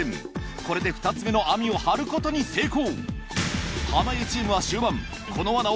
これで２つ目の網を張ることに成功。